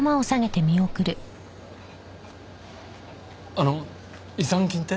あの違算金って？